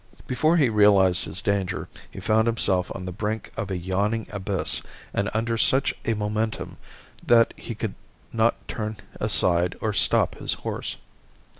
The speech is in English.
Before he realized his danger he found himself on the brink of a yawning abyss and under such a momentum that he could not turn aside or stop his horse.